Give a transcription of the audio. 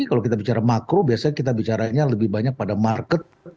kalau kita bicara makro biasanya kita bicaranya lebih banyak pada market